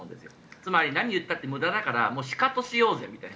つまり何を言ったって無駄だからシカトしようぜみたいな。